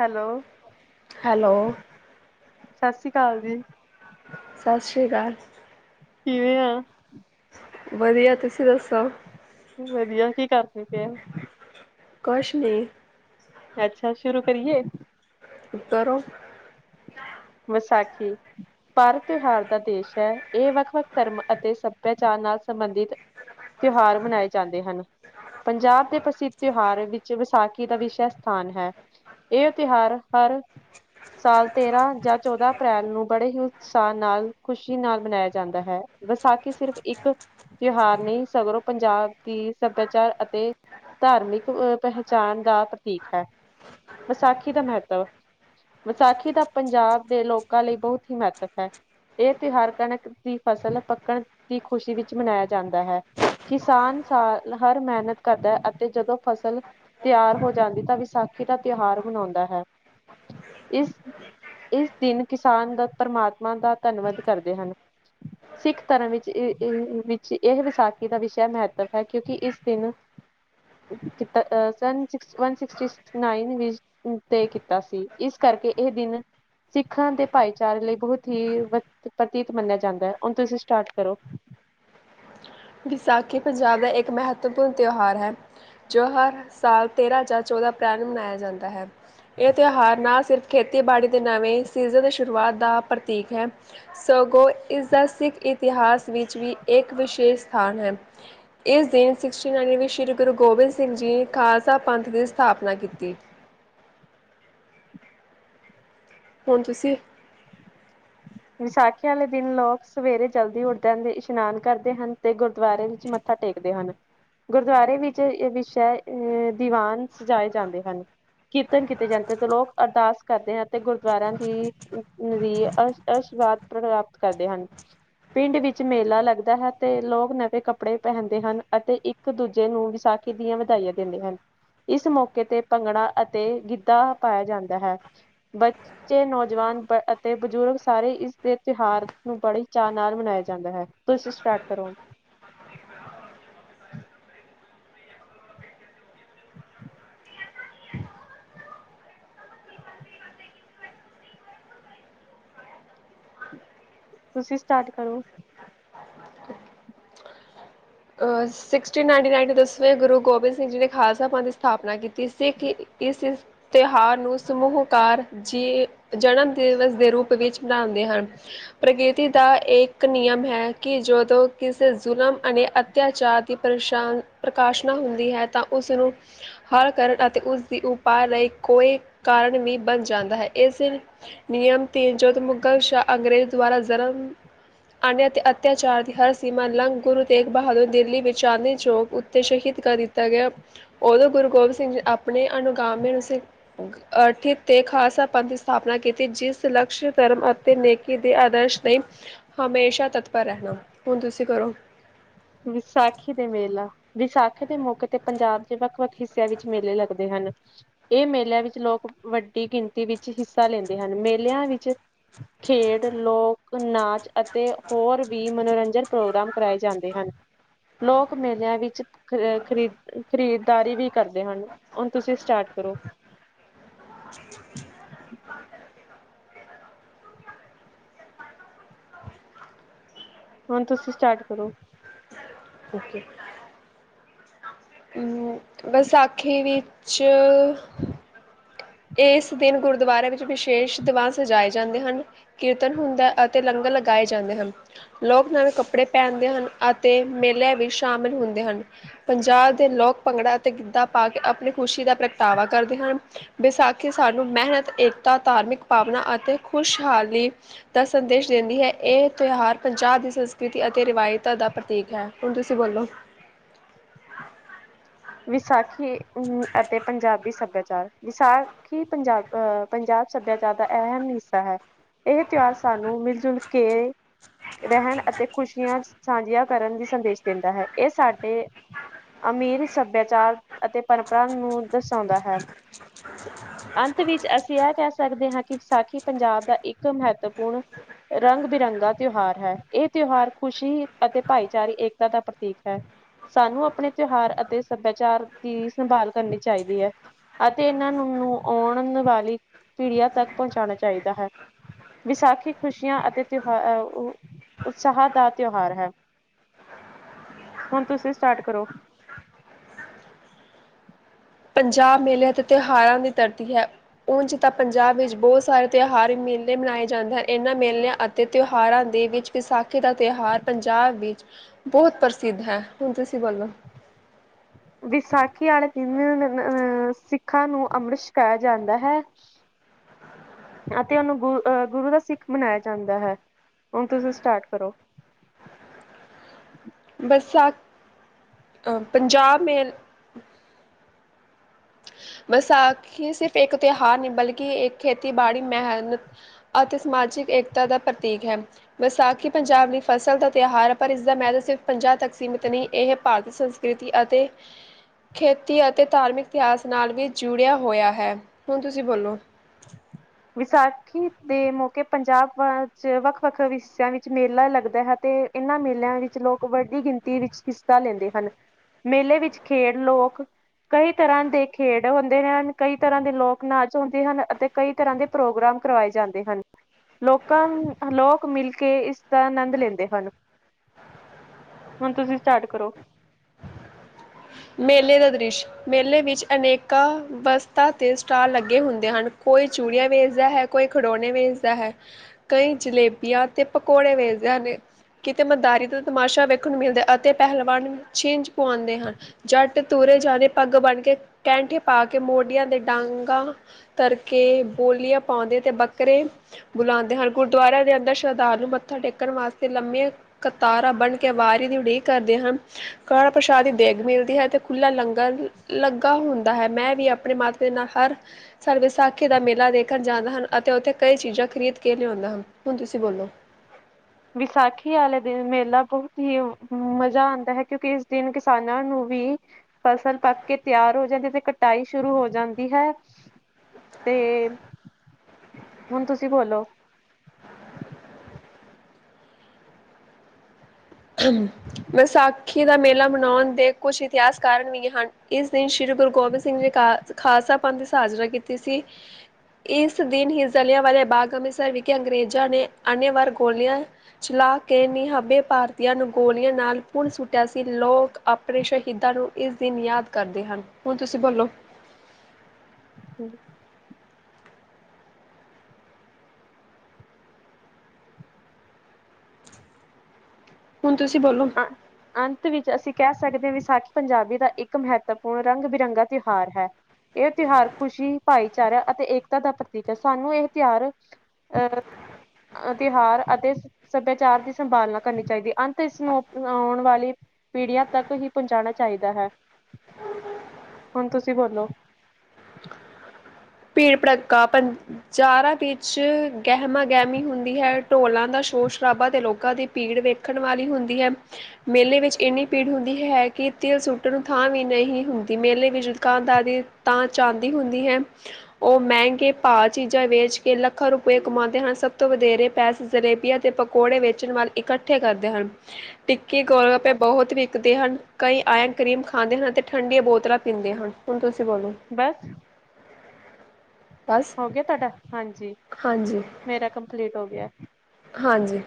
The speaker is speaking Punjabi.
ਹੈਲੋ ਹੈਲੋ ਸਤਿ ਸ੍ਰੀ ਅਕਾਲ ਜੀ ਸਤਿ ਸ੍ਰੀ ਅਕਾਲ ਕਿਵੇਿਆ ਵਧੀਆ ਤੁਸੀਂ ਦੱਸੋ ਵਧੀਆ ਕੀ ਕਰਦੇ ਪਏ, ਕੁਛ ਨਹੀਂ ਅੱਛਾ ਸ਼ੁਰੂ ਕਰੀਏ? ਕਰੋ ਵਿਸਾਖੀ ਭਾਰਤ ਤਿਉਹਾਰ ਦਾ ਦੇਸ਼ ਹੈ ਇਹ ਵੱਖ ਵੱਖ ਧਰਮ ਅਤੇ ਸੱਭਿਆਚਾਰ ਨਾਲ ਸੰਬੰਧਿਤ ਤਿਉਹਾਰ ਮਨਾਏ ਜਾਂਦੇ ਹਨ ਪੰਜਾਬ ਦੇ ਪ੍ਰਸਿੱਧ ਤਿਉਹਾਰ ਵਿੱਚ ਵਿਸਾਖੀ ਦਾ ਵਿਸ਼ਾ ਸਥਾਨ ਹੈ ਇਹ ਤਿਉਹਾਰ ਹਰ ਸਾਲ ਤੇਰਾਂ ਜਾਂ ਚੌਦਾਂ ਅਪ੍ਰੈਲ ਨੂੰ ਬੜੇ ਹੀ ਉਤਸ਼ਾਹ ਨਾਲ ਖੁਸ਼ੀ ਨਾਲ ਮਨਾਇਆ ਜਾਂਦਾ ਹੈ ਵਿਸਾਖੀ ਸਿਰਫ ਇੱਕ ਤਿਉਹਾਰ ਨਹੀਂ ਸਗਰੋਂ ਪੰਜਾਬ ਦੀ ਸੱਭਿਆਚਾਰ ਅਤੇ ਧਾਰਮਿਕ ਪਹਿਚਾਣ ਦਾ ਪ੍ਰਤੀਕ ਹੈ ਵਿਸਾਖੀ ਦਾ ਮਹੱਤਵ ਵਿਸਾਖੀ ਦਾ ਪੰਜਾਬ ਦੇ ਲੋਕਾਂ ਲਈ ਬਹੁਤ ਹੀ ਮਹੱਤਵ ਹੈ ਇਹ ਤਿਉਹਾਰ ਕਣਕ ਦੀ ਫਸਲ ਪੱਕਣ ਦੀ ਖ਼ੁਸ਼ੀ ਵਿੱਚ ਮਨਾਇਆ ਜਾਂਦਾ ਹੈ ਕਿਸਾਨ ਸਾਲ ਹਰ ਮਿਹਨਤ ਕਰਦਾ ਹੈ ਅਤੇ ਜਦੋਂ ਫਸਲ ਤਿਆਰ ਹੋ ਜਾਂਦੀ ਤਾਂ ਵਿਸਾਖੀ ਦਾ ਤਿਉਹਾਰ ਮਨਾਉਂਦਾ ਹੈ ਇਸ ਇਸ ਦਿਨ ਕਿਸਾਨ ਦਾ ਪਰਮਾਤਮਾ ਦਾ ਧੰਨਵਾਦ ਕਰਦੇ ਹਾ, ਸਿੱਖ ਧਰਮ ਵਿੱਚ-ਵਿੱਚ ਇਹ ਵਿਸਾਖੀ ਦਾ ਵਿਸ਼ਾ ਮਹੱਤਵ ਹੈ ਕਿਉਂਕਿ ਇਸ ਦਿਨ ਅਹਨਨਸ ਨਨ ਤੇ ਕੀਤਾ ਸੀ, ਇਸ ਕਰਕੇ ਇਹ ਦਿਨ ਸਿੱਖਾਂ ਦੇ ਭਾਈਚਾਰੇ ਲਈ ਬਹੁਤ ਹੀ ਪ੍ਰਤੀਤ ਮੰਨਿਆ ਜਾਂਦਾ ਹੈ, ਹੁਣ ਤੁਸੀਂ ਸਟਾਰਟ ਕਰੋ ਵਿਸਾਖੀ ਪੰਜਾਬ ਦਾ ਇੱਕ ਮਹੱਤਵਪੂਰਨ ਤਿਉਹਾਰ ਹੈ ਜੋ ਹਰ ਸਾਲ ਤੇਰ੍ਹਾਂ ਜਾਂ ਚੌਦ੍ਹਾਂ ਅਪ੍ਰੈਲ ਨੂੰ ਮਨਾਇਆ ਜਾਂਦਾ ਹੈ ਇਹ ਤਿਉਹਾਰ ਨਾ ਸਿਰਫ ਖੇਤੀਬਾੜੀ ਦੇ ਨਵੇਂ ਸੀਜ਼ਨ ਦੀ ਸ਼ੁਰੂਆਤ ਦਾ ਪ੍ਰਤੀਕ ਹੈ ਸਗੋਂ ਇਸਦਾ ਸਿੱਖ ਇਤਿਹਾਸ ਵਿੱਚ ਵੀ ਇੱਕ ਵਿਸ਼ੇਸ਼ ਸਥਾਨ ਹੈ ਇਸ ਦਿਨ ਸਿਕਸ ਸ੍ਰੀ ਗੁਰੂ ਗੋਬਿੰਦ ਸਿੰਘ ਜੀ ਨੇ ਖਾਲਸਾ ਪੰਥ ਦੀ ਸਥਾਪਨਾ ਕੀਤੀ । ਹੁਣ ਤੁਸੀਂ? ਵਿਸਾਖੀ ਵਾਲੇ ਦਿਨ ਲੋਕ ਸਵੇਰੇ ਜਲਦੀ ਉਠਦੇ ਹਨ ।ਇਸ਼ਨਾਨ ਕਰਦੇ ਹਨ, ਤੇ ਗੁਰਦੁਆਰੇ ਵਿੱਚ ਮੱਥਾ ਟੇਕਦੇ ਹਨ। ਗੁਰਦੁਆਰੇ ਵਿੱਚ ਇਹ ਵਿਸ਼ਾ ਅਹ ਦੀਵਾਨ ਸਜਾਏ ਜਾਂਦੇ ਹਨ, ਕੀਰਤਨ ਕੀਤੇ ਜਾਂਦੇ, ਤੇ ਲੋਕ ਅਰਦਾਸ ਕਰਦੇ ਹਨ ਅਤੇ ਗੁਰਦੁਆਰਿਆਂ ਦੀ ਅ ਦੀ ਅ। ਆਸ਼ੀਵਾਦ ਪ੍ਰਾਪਤ ਕਰਦੇ ਹਨ, ਪਿੰਡ ਵਿੱਚ ਮੇਲਾ ਲੱਗਦਾ ਹੈ, ਤੇ ਲੋਕ ਨਵੇਂ ਕੱਪੜੇ ਪਹਿਨਦੇ ਹਨ, ਅਤੇ ਇੱਕ ਦੂਜੇ ਨੂੰ ਵਿਸਾਖੀ ਦੀਆਂ ਵਧਾਈਆਂ ਦਿੰਦੇ ਹਨ, ਇਸ ਮੌਕੇ ਤੇ ਭੰਗੜਾ ਅਤੇ ਗਿੱਧਾ ਪਾਇਆ ਜਾਂਦਾ ਹੈ ਬੱਚੇ, ਨੌਜਵਾਨ ਅਤੇ ਬਜ਼ੁਰਗ। ਸਾਰੇ ਇਸਦੇ ਤਿਉਹਾਰ ਨੂੰ ਬੜੇ ਚਾਅ ਨਾਲ ਮਨਾਇਆ ਜਾਂਦਾ ਹੈ, ਤੁਸੀਂ ਸਟਾਰਟ ਕਰੋ? ਤੁਸੀਂ ਸਟਾਰਟ ਕਰੋ? ਅਹ ਗੁਰੂ ਗੋਬਿੰਦ ਸਿੰਘ ਜੀ ਨੇ ਖਾਲਸਾ ਪੰਥ ਦੀ ਸਥਾਪਨਾ ਕੀਤੀ ਸੀ, ਸਿੱਖ ਇਸ ਤਿਉਹਾਰ ਨੂੰ ਸਮੂਹਕਾਰ ਜੀ ਜਨਮ ਦਿਨ ਦੇ ਰੂਪ ਵਿੱਚ ਮਨਾਉਂਦੇ ਹਨ, ਪ੍ਰਗਿਰਤੀ ਦਾ ਇੱਕ ਨਿਯਮ ਹੈ, ਕਿ ਜਦੋਂ ਕਿਸੇ ਜ਼ੁਲਮ? ਅੱਤਿਆਚਾਰ ਦੀ ਪ੍ਰਕਾਸ਼ਨਾ ਹੁੰਦੀ ਹੈ ਤਾਂ ਉਸਨੂੰ ਹਰ ਕਰਨ ਅਤੇ ਉਸਦੀ ਉਪਾਅ ਲਈ ਕੋਈ ਕਾਰਨ ਵੀ ਬਣ ਜਾਂਦਾ ਹੈ, ਇਸ ਦਿਨ ਨਿਯਮ ਤੀਨ ਜੋਤ ਮੁਗਲ ਸ਼ਾਹ ਅੰਗਰੇਜ਼ ਦੁਆਰਾ ਜਨਮ ਆਦੇ ਅਤੇ ਅਤਿਆਚਾਰ ਦੀ ਹਰ ਸੀਮਾ ਲੰਘ ਗੁਰੂ ਤੇਗ ਬਹਾਦੁਰ। ਦਿੱਲੀ ਵਿੱਚ ਚਾਦਨੀ ਚੌਕ ਉੱਤੇ ਸ਼ਹੀਦ ਕਰ ਦਿੱਤਾ ਗਿਆ ਹੈ, ਉਦੋਂ ਗੁਰੂ ਗੋਬਿੰਦ ਸਿੰਘ ਜੀ ਆਪਣੇ ਅਨੁਗਾਮੇ ਨੂੰ ਅਠਿ ਤੇ ਖਾਲਸਾ ਪੰਥ ਦੀ ਸਥਾਪਨਾ ਕੀਤੀ, ਜਿਸ ਲਕਸ਼ ਧਰਮ ਅਤੇ ਨੇਕੀ ਦੇ ਆਦਰਸ਼ ਲਈ ਹਮੇਸ਼ਾ ਤਤਪਰ ਰਹਿਣਾ ਹੁਣ ਤੁਸੀਂ ਕਰੋ? ਵਿਸਾਖੀ ਦੇ ਮੇਲਾ ਵਿਸਾਖੀ ਦੇ ਮੌਕੇ ਤੇ ਪੰਜਾਬ ਦੇ ਵੱਖ। ਬਹੁਤ ਹਿੱਸਿਆਂ ਵਿੱਚ ਮੇਲੇ ਲੱਗਦੇ ਹਨ। ਇਹ ਮੇਲਿਆਂ ਵਿੱਚ ਲੋਕ ਵੱਡੀ ਗਿਣਤੀ ਵਿੱਚ ਹਿੱਸਾ ਲੈਂਦੇ ਹਨ, ਮੇਲਿਆਂ ਵਿੱਚ ਖੇਡ, ਲੋਕ ਨਾਚ ਅਤੇ ਹੋਰ ਵੀ ਮਨੋਰੰਜਨ ਪ੍ਰੋਗਰਾਮ ਕਰਵਾਏ ਜਾਂਦੇ ਹਨ। ਲੋਕ ਮੇਲਿਆਂ ਵਿੱਚ ਖ ਖਰੀ ਖਰੀਦਦਾਰੀ ਵੀ ਕਰਦੇ ਹਨ, ਹੁਣ ਤੁਸੀਂ ਸਟਾਰਟ ਕਰੋ? ਹੁਣ ਤੁਸੀਂ ਸਟਾਰਟ ਕਰੋ? ਓਕੇ, ਅਹ ਵਿਸਾਖੀ ਵਿੱਚ। ਇਸ ਦਿਨ ਗੁਰਦੁਆਰਿਆਂ ਵਿੱਚ ਵਿਸ਼ੇਸ਼ ਦੀਵਾਨ ਸਜਾਏ ਜਾਂਦੇ ਹਨ, ਕੀਰਤਨ ਹੁੰਦਾ ਅਤੇ ਲੰਗਰ ਲਗਾਏ ਜਾਂਦੇ ਹਨ, ਲੋਕ ਨਵੇਂ ਕੱਪੜੇ ਪਹਿਨਦੇ ਹਨ ਅਤੇ ਮੇਲਿਆਂ ਵੀ ਸ਼ਾਮਿਲ ਹੁੰਦੇ ਹਨ, ਪੰਜਾਬ ਦੇ ਲੋਕ ਭੰਗੜਾ ਅਤੇ ਗਿੱਧਾ ਪਾ ਕੇ ਆਪਣੀ ਖੁਸ਼ੀ ਦਾ ਪ੍ਰਗਟਾਵਾ ਕਰਦੇ ਹਨ। ਵਿਸਾਖੀ ਸਾਨੂੰ ਮਿਹਨਤ ਏਕਤਾ, ਧਾਰਮਿਕ ਭਾਵਨਾ ਅਤੇ ਖ਼ੁਸ਼ਹਾਲੀ ਦਾ ਸੰਦੇਸ਼ ਦਿੰਦੀ ਹੈ, ਇਹ ਤਿਉਹਾਰ ਪੰਜਾਬ ਦੀ ਸੰਸਕ੍ਰਿਤੀ ਅਤੇ ਰਵਾਇਤਾਂ ਦਾ ਪ੍ਰਤੀਕ ਹੈ, ਹੁਣ ਤੁਸੀਂ ਬੋਲੋ? ਵਿਸਾਖੀ ਅਤੇ ਪੰਜਾਬੀ ਸੱਭਿਆਚਾਰ ਵਿਸਾਖੀ ਪੰਜਾਬ ਅਹ ਪੰਜਾਬ ਸੱਭਿਆਚਾਰ ਦਾ ਅਹਿਮ ਹਿੱਸਾ ਹੈ, ਇਹ ਤਿਉਹਾਰ ਸਾਨੂੰ ਮਿਲ ਜੁਲ ਕੇ। ਰਹਿਣ ਅਤੇ ਖ਼ੁਸ਼ੀਆਂ। ਸਾਂਝੀਆਂ ਕਰਨ ਦੀ ਸੰਦੇਸ਼ ਦਿੰਦਾ ਹੈ, ਇਹ ਸਾਡੇ ਅਮੀਰ। ਸੱਭਿਆਚਾਰ ਅਤੇ ਪਰੰਪਰਾ ਨੂੰ ਦਰਸਾਉਂਦਾ ਹੈ। ਅੰਤ ਵਿੱਚ ਅਸੀਂ ਇਹ ਕਹਿ ਸਕਦੇ ਹਾਂ ਕਿ ਵਿਸਾਖੀ ਪੰਜਾਬ ਦਾ ਇੱਕ ਮਹੱਤਵਪੂਰਨ ਰੰਗ ਬਿਰੰਗਾ ਤਿਉਹਾਰ ਹੈ, ਇਹ ਤਿਉਹਾਰ ਖ਼ੁਸ਼ੀ ਅਤੇ ਭਾਈਚਾਰੀ ਏਕਤਾ ਦਾ ਪ੍ਰਤੀਕ ਹੈ, ਸਾਨੂੰ ਆਪਣੇ ਤਿਉਹਾਰ ਅਤੇ? ਸੱਭਿਆਚਾਰ ਦੀ ਸੰਭਾਲ ਕਰਨੀ ਚਾਹੀਦੀ ਹੈ ਅਤੇ ਇਹਨਾਂ ਨੂੰ ਨੂੰ ਆਉਣ ਵਾਲੀ ਪੀੜੀਆਂ ਤੱਕ ਪਹੁੰਚਾਉਣਾ ਚਾਹੀਦਾ ਹੈ ਵਿਸਾਖੀ ਖੁਸ਼ੀਆਂ ਅਤੇ ਤਿਉਹਾਰ ਉਤਸ਼ਾਹ ਦਾ ਤਿਉਹਾਰ ਹੈ, ਹੁਣ ਤੁਸੀਂ ਸਟਾਰਟ ਕਰੋ? ਪੰਜਾਬ ਮੇਲੇ ਅਤੇ ਤਿਉਹਾਰਾਂ ਦੀ ਧਰਤੀ ਹੈ ਉਂਝ ਤਾਂ ਪੰਜਾਬ ਵਿੱਚ ਬਹੁਤ ਸਾਰੇ ਤਿਉਹਾਰ, ਮੇਲੇ ਮਨਾਏ ਜਾਂਦੇ ਹਨ ਇਹਨਾਂ ਮੇਲਿਆਂ ਅਤੇ ਤਿਉਹਾਰਾਂ ਦੇ ਵਿੱਚ ਵਿਸਾਖੀ ਦਾ ਤਿਉਹਾਰ ਪੰਜਾਬ ਵਿੱਚ ਬਹੁਤ ਪ੍ਰਸਿੱਧ ਹੈ, ਹੁਣ ਤੁਸੀਂ ਬੋਲੋ? ਵਿਸਾਖੀ ਵਾਲੇ ਦਿਨ ਅਹ ਸਿੱਖਾਂ ਨੂੰ ਅੰਮ੍ਰਿਤ ਛਕਾਇਆ ਜਾਂਦਾ ਹੈ ਅਤੇ ਉਹਨੂੰ ਗੁਰ ਅਹ ਗੁਰੂ ਦਾ ਸਿੱਖ ਮਨਾਇਆ ਜਾਂਦਾ ਹੈ, ਹੁਣ ਤੁਸੀਂ ਸਟਾਰਟ ਕਰੋ? ਵਿਸਾਖੀ ਆਈ ਪੰਜਾਬ ਮੇਲਿਆਂ। ਵਿਸਾਖੀ ਸਿਰਫ ਇੱਕ ਤਿਉਹਾਰ ਨਹੀਂ ਬਲਕਿ ਇਹ ਖੇਤੀਬਾੜੀ ਮਿਹਨਤ ਅਤੇ ਸਮਾਜਿਕ ਏਕਤਾ ਦਾ ਪ੍ਰਤੀਕ ਹੈ ਵਿਸਾਖੀ ਪੰਜਾਬ ਲਈ ਫਸਲ ਦਾ ਤਿਉਹਾਰ ਹੈ ਪਰ ਇਸਦਾ ਮਹਿਲ ਸਿਰਫ ਪੰਜਾਹ ਤੱਕ ਸੀਮਿਤ ਨਹੀਂ ਇਹ ਭਾਰਤੀ ਸੰਸਕ੍ਰਿਤੀ ਅਤੇ ਖੇਤੀ ਅਤੇ ਧਾਰਮਿਕ। ਇਤਿਹਾਸ ਨਾਲ ਵੀ ਜੁੜਿਆ ਹੋਇਆ ਹੈ, ਹੁਣ ਤੁਸੀਂ ਬੋਲੋ? ਵਿਸਾਖੀ ਦੇ ਮੌਕੇ ਪੰਜਾਬ 'ਚ ਵੱਖ ਵੱਖ ਹਿੱਸਿਆਂ ਵਿੱਚ ਮੇਲਾ ਲੱਗਦਾ ਹੈ ਅਤੇ ਇਹਨਾਂ ਮੇਲਿਆਂ ਵਿੱਚ ਲੋਕ ਵੱਡੀ ਗਿਣਤੀ ਵਿੱਚ ਹਿੱਸਾ ਲੈਂਦੇ ਹਨ ਮੇਲੇ ਵਿੱਚ ਖੇਡ ਲੋਕ ਕਈ ਤਰ੍ਹਾਂ ਦੇ ਖੇਡ ਹੁੰਦੇ ਹਨ ਕਈ ਤਰ੍ਹਾਂ ਦੇ ਲੋਕ ਨਾਚ ਹੁੰਦੇ ਹਨ ਅਤੇ ਕਈ। ਤਰ੍ਹਾਂ ਦੇ ਪ੍ਰੋਗਰਾਮ ਕਰਵਾਏ ਜਾਂਦੇ ਹਨ ਲੋਕਾਂ ਨੂੰ ਲੋਕ ਮਿਲ ਕੇ ਇਸਦਾ ਆਨੰਦ ਲੈਂਦੇ ਹਨ, ਹੁਣ ਤੁਸੀਂ ਸਟਾਰਟ ਕਰੋ? ਮੇਲੇ ਦਾ ਦ੍ਰਿਸ਼ ਮੇਲੇ ਵਿੱਚ ਅਨੇਕਾਂ ਵਸਤਾਂ ਤੇ ਸਟਾਲ ਲੱਗੇ ਹੁੰਦੇ ਹਨ ਕੋਈ ਚੂੜੀਆਂ ਵੇਚਦਾ ਹੈ, ਕੋਈ ਖਡੋਣੇ ਵੇਚਦਾ, ਹੈ, ਕਈ ਜਲੇਬੀਆਂ ਤੇ ਪਕੌੜੇ ਵੇਚਦੇ ਹਨ, ਕਿਤੇ ਮਦਾਰੀ ਦਾ ਤਮਾਸ਼ਾ ਵੇਖਣ ਨੂੰ ਮਿਲਦਾ ਹੈ ਅਤੇ ਪਹਿਲਵਾਨ ਛਿੰਜ ਪਾਉਂਦੇ ਹਨ। ਜੱਟ ਤੁਰੇ ਜਾਣੇ ਪੱਗ ਬਣ ਕੇ ਕੈਂਠੇ ਪਾ ਕੇ ਮੋਢੀਆਂ ਦੇ ਡਾਂਗਾਂ ਤਰ ਕੇ ਬੋਲੀਆਂ ਪਾਉਂਦੇ, ਤੇ ਬੱਕਰੇ ਬੁਲਾਉਂਦੇ ਹਨ, ਗੁਰਦੁਆਰਿਆਂ ਦੇ ਅੰਦਰ ਸ਼ਰਧਾਲੂ ਨੂੰ ਮੱਥਾ ਟੇਕਣ ਵਾਸਤੇ ਲੰਮੀਆਂ ਕਤਾਰਾਂ ਬਣ ਕੇ ਵਾਰੀ ਦੀ ਉਡੀਕ ਕਰਦੇ ਹਨ ਕੜਾ ਪ੍ਰਸ਼ਾਦਿ ਦੀ ਦੇਗ । ਤੇ ਇੱਥੇ ਖੁੱਲ੍ਹਾ ਲੰਗਰ ਲੱਗਾ ਹੁੰਦਾ ਹੈ ਮੈਂ ਵੀ ਆਪਣੇ ਮਾਤਾ ਦੇ ਨਾਲ ਹਰ ਸਾਲ ਵਿਸਾਖੀ ਦਾ ਮੇਲਾ ਦੇਖਣ ਜਾਂਦੇ ਹਨ ਅਤੇ ਉੱਥੇ ਕਈ ਚੀਜ਼ਾਂ ਖ਼ਰੀਦ ਕੇ ਲਿਆਉਂਦਾ ਹਾਂ ਹੁਣ ਤੁਸੀਂ ਬੋਲੋ? ਵਿਸਾਖੀ ਵਾਲੇ ਦਿਨ ਮੇਲਾ ਬਹੁਤ ਹੀ ਮਜ਼ਾ ਆਉਂਦਾ ਹੈ ਕਿਉਂਕਿ ਇਸ ਦਿਨ ਕਿਸਾਨਾਂ ਨੂੰ ਵੀ ਫਸਲ ਪੱਕ ਕੇ ਤਿਆਰ ਹੋ ਜਾਂਦੀ ਅਤੇ ਕਟਾਈ ਸ਼ੁਰੂ ਹੋ ਜਾਂਦੀ ਹੈ ਤੇ ਹੁਣ ਤੁਸੀਂ ਬੋਲੋ? ਵਿਸਾਖੀ ਦਾ ਮੇਲਾ ਮਨਾਉਣ ਦੇ ਕੁਝ ਇਤਿਹਾਸ ਕਾਰਨ ਵੀ ਹਨ ਇਸ ਦਿਨ ਸ੍ਰੀ ਗੁਰੂ ਗੋਬਿੰਦ ਸਿੰਘ ਜੀ ਖ ਖਾਲਸਾ ਪੰਥ ਦੀ ਸਾਜਨਾ ਕੀਤੀ ਸੀ ਇਸ ਦਿਨ ਹੀ ਜ਼ਲਿਆਂ ਵਾਲੇ ਬਾਗ ਅੰਮ੍ਰਿਤਸਰ ਵਿਖੇ ਅੰਗਰੇਜ਼ਾਂ ਨੇ ਅੰਨੇਵਾਹ ਗੋਲੀਆਂ ਚਲਾ ਕੇ ਨਿਹਬੇ ਭਾਰ। ਦੀਆਂ ਨੂੰ ਗੋਲੀਆਂ ਨਾਲ ਪੁੁਣ ਸੁੱਟਿਆ ਸੀ ਲੋਕ ਆਪਣੇ ਸ਼ਹੀਦਾਂ ਨੂੰ ਇਸ ਦਿਨ ਯਾਦ ਕਰਦੇ ਹਨ, ਹੁਣ ਤੁਸੀਂ ਬੋਲੋ? ਹੂੰ। ਹੁਣ ਤੁਸੀਂ ਬੋਲੋ। ਅ ਅੰਤ ਵਿੱਚ ਅਸੀਂ। ਕਹਿ ਸਕਦੇ ਹਾਂ ।ਵਿਸਾਖੀ ਪੰਜਾਬੀ ਦਾ ਇੱਕ ਮਹੱਤਵਪੂਰਨ ਰੰਗ ਬਿਰੰਗਾ ਤਿਉਹਾਰ ਹੈ। ਇਹ ਤਿਉਹਾਰ ਖੁਸ਼ੀ ਭਾਈਚਾਰਾ ਅਤੇ ਏਕਤਾ ਦਾ ਪ੍ਰਤੀਕ ਹੈ। ਸਾਨੂੰ ਇਹ ਤਿਉਹਾਰ ਅਹ ਤਿਉਹਾਰ ਅਤੇ ਸੱਭਿਆਚਾਰ ਦੀ ਸੰਭਾਲਨਾ ਕਰਨੀ ਚਾਹੀਦੀ ਹੈ ।ਅੰਤ ਇਸਨੂੰ। ਆਉਣ ਵਾਲੀ ਪੀੜੀਆਂ ਤੱਕ ਹੀ ਪਹੁੰਚਾਉਣਾ ਚਾਹੀਦਾ ਹੈ। ਹੁਣ ਤੁਸੀਂ ਬੋਲੋ? ਭੀੜ ਭੜੱਕਾ ਬਜ਼ਾਰਾਂ ਵਿੱਚ ਗਹਿਮਾਂ ਗਹਿਮੀ ਹੁੰਦੀ ਹੈ। ਢੋਲਾਂ ਦਾ ਸ਼ੋਰ ਸ਼ਰਾਬਾ ਤੇ ਲੋਕਾਂ ਦੀ ਭੀੜ ਵੇਖਣ ਵਾਲੀ ਹੁੰਦੀ ਹੈ। ਮੇਲੇ ਵਿੱਚ ਇੰਨੀ ਭੀੜ ਹੁੰਦੀ ਹੈ। ਕਿ ਤਿਲ ਸੁੱਟਣ ਥਾਂ ਵੀ ਨਹੀਂ ਹੁੰਦੀ ।ਮੇਲੇ ਵਿੱਚ ਦੁਕਾਨਦਾਰ ਦੀ ਤਾਂ ਚਾਂਦੀ ਹੁੰਦੀ ਹੈ। ਉਹ ਮਹਿੰਗੇ ਭਾਅ ਚੀਜ਼ਾਂ ਵੇਚ ਕੇ ਲੱਖਾਂ ਰੁਪਏ ਕਮਾਉਂਦੇ ਹਨ ।ਸਭ ਤੋਂ ਵਧੇਰੇ ਪੈਸੇ, ਜਲੇਬੀਆਂ ਅਤੇ ਪਕੌੜੇ ਵੇਚਣ ਵੱਲ ਇਕੱਠੇ ਕਰਦੇ ਹਨ। ਟਿੱਕੀ ਗੋਲਗੱਪੇ ਬਹੁਤ ਵਿਕਦੇ ਹਨ। ਕਈ ਆਇ ਕ੍ਰੀਮ ਖਾਂਦੇ ਹਨ। ਅਤੇ ਠੰਡੀਆਂ ਬੋਤਲਾਂ ਪੀਂਦੇ ਹਨ। ਹੁਣ ਤੁਸੀਂ? ਬੋਲੋ ਬਸ। ਬਸ ਹੋ ਗਿਆ ਤੁਹਾਡਾ ਹਾਂਜੀ ਹਾਂਜੀ ਮੇਰਾ ਕੰਪਲੀਟ ਹੋ ਗਿਆ ਹੈ। ਹਾਂਜੀ